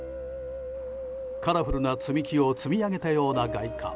カラフルな積み木を積み上げたような外観。